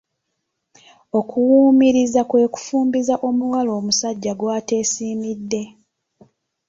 Okuwumiriza kwe kufumbiza omuwala omusajja gw'ateesimidde